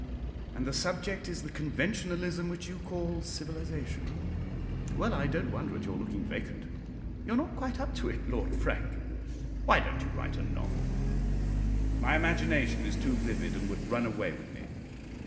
"And the subject is the Conventionalism which you call civilisation. Well, I don't wonder at your looking vacant. You are not quite up to it, Lord Frank. Why don't you write a novel?" "My imagination is too vivid, and would run away with me."